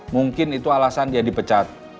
mungkin itu alasan dia dipecat